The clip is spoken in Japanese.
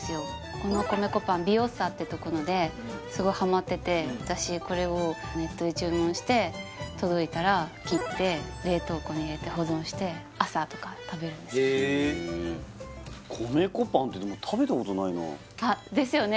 この米粉パンｂｉｏｓｓａってとこのですごいハマってて私これをネットで注文して届いたら切って冷凍庫に入れて保存して朝とか食べるんですへえあっですよね